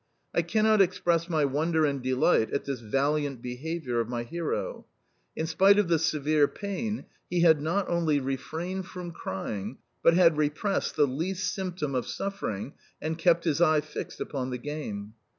I cannot express my wonder and delight at this valiant behaviour of my hero. In spite of the severe pain, he had not only refrained from crying, but had repressed the least symptom of suffering and kept his eye fixed upon the game!